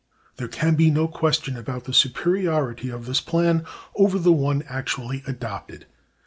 There can be no question about the superiority of this plan over the one actually adopted.